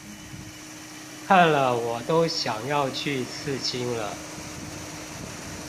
看了我都想要去刺青了